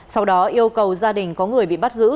sau đó yêu cầu gia đình có người bị bắt giữ